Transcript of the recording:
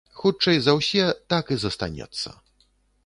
Хутчэй за ўсе, так і застанецца.